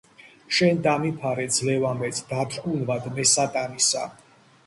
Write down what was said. შენ დამიფარე, ძლევა მეც დათრგუნვად მე სატანისა